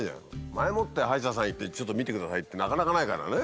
前もって歯医者さん行ってちょっと診てくださいってなかなかないからね。